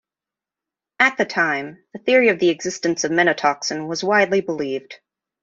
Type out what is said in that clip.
At the time, the theory of the existence of menotoxin was widely believed.